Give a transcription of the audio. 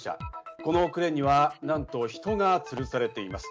このクレーンにはなんと人がつるされています。